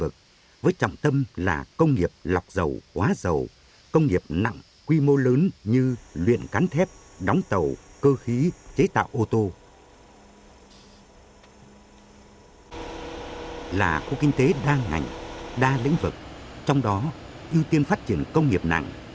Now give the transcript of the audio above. công nghiệp nặng quy mô lớn như luyện cắn thép đóng tàu cơ khí chế tạo ô tô là khu kinh tế đa ngành đa lĩnh vực trong đó ưu tiên phát triển công nghiệp nặng